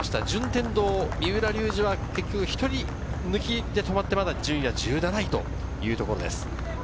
順天堂・三浦龍司は結局１人抜きで止まって順位は１７位というところです。